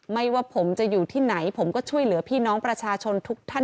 ไม่ว่าผมจะอยู่ที่ไหนผมก็ช่วยเหลือพี่น้องประชาชนทุกท่าน